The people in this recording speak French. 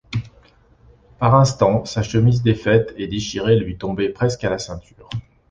Par instants, sa chemise défaite et déchirée lui tombait presque à la ceinture.